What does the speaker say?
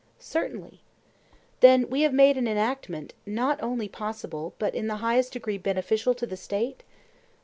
Certainly. Then we have made an enactment not only possible but in the highest degree beneficial to the State?